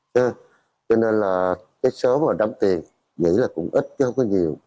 thế cho nên là cái số mà đóng tiền nghĩ là cũng ít chứ không có nhiều